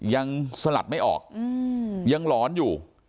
สลัดไม่ออกยังหลอนอยู่